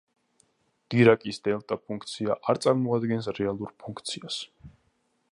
დირაკის დელტა ფუნქცია არ წარმოადგენს რეალურ ფუნქციას.